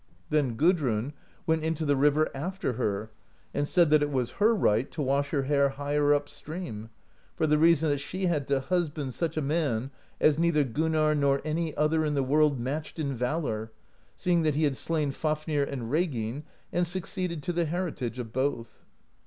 Then Gudrun went into the river after her and said that it was her right to wash her hair higher upstream, for the reason that she had to husband such a man as neither Gunnarr nor any other in the world matched in valor, seeing that he had slain Fafnir and Reginn and succeeded to the heritage of both.